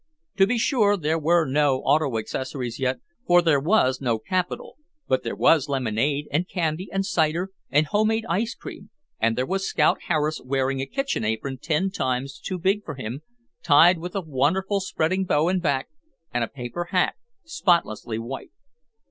To be sure there were no auto accessories yet, for there was no capital, but there was lemonade and candy and cider and homemade ice cream and there was Scout Harris wearing a kitchen apron ten times too big for him, tied with a wonderful, spreading bow in back, and a paper hat spotlessly white.